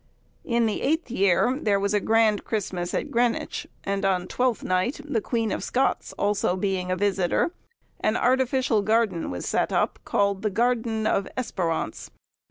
In his eighth year, there was a grand Christmas at Greenwich; and on Twelfth Night, the Queen of Scots also being a visitor, an artificial garden was set up, called the Garden of Espérance.